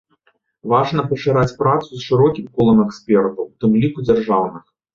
Важна пашыраць працу з шырокім колам экспертаў, у тым ліку дзяржаўных.